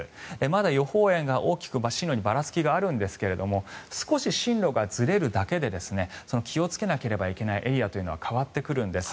まだ予報円が大きく進路にばらつきがあるんですが少し進路がずれるだけで気をつけなければいけないエリアは変わってくるんです。